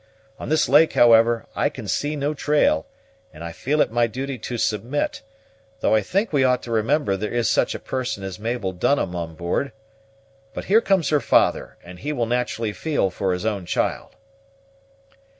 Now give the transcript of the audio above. On this lake, however, I can see no trail, and I feel it my duty to submit; though I think we ought to remember there is such a person as Mabel Dunham on board. But here comes her father, and he will naturally feel for his own child."